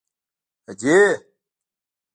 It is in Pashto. _ادې!!!